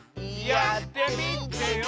やってみてよ！